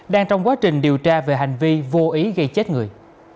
đang trong quá trình điều tra về hành vi vô ý gây chết người